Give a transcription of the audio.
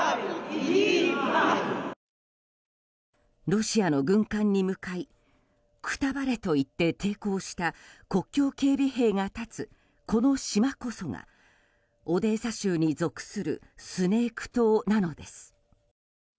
ロシアの軍艦に向かいくたばれと言って抵抗した国境警備兵が立つこの島こそがオデーサ州に属するスネーク島なのです。